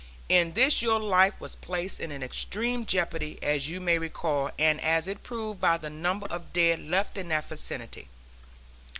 In this your life was placed in extreme jeopardy, as you may recall, and as it proved by the number of dead left in that vicinity.